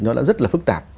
nó đã rất là phức tạp